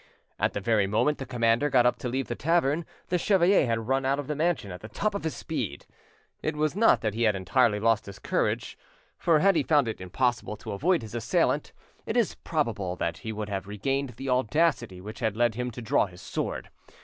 At the very moment the commander got up to leave the tavern the chevalier had run out of the mansion at the top of his speed. It was not that he had entirely lost his courage, for had he found it impossible to avoid his assailant it is probable that he would have regained the audacity which had led him to draw his sword.